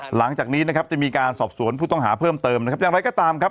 หลังจากนี้นะครับจะมีการสอบสวนผู้ต้องหาเพิ่มเติมนะครับอย่างไรก็ตามครับ